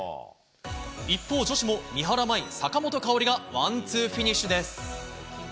一方、女子も三原舞依、坂本花織がワンツーフィニッシュです。